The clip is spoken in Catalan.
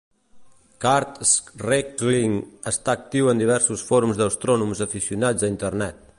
Kurt Schreckling està actiu en diversos fòrums d'astrònoms aficionats a internet.